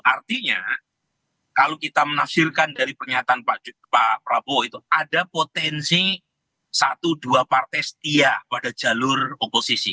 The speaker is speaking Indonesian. artinya kalau kita menafsirkan dari pernyataan pak prabowo itu ada potensi satu dua partai setia pada jalur oposisi